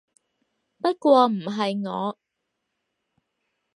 不過唔係我